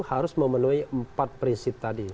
harus memenuhi empat prinsip tadi